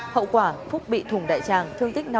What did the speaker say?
hậu quả phúc bị thùng đại tràng thương tích năm mươi bốn